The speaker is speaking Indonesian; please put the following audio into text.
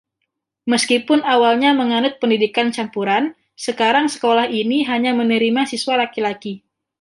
Meskipun awalnya menganut pendidikan campuran, sekarang sekolah ini hanya menerima siswa laki-laki.